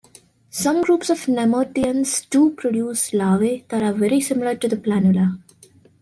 Some groups of Nemerteans too produce larvae that are very similar to the planula.